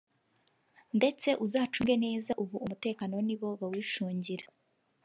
ndetse uzacunge neza ubu umutekano nibo bawicungira